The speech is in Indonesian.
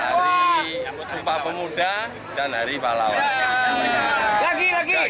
hari sumpah pemuda dan hari pahlawan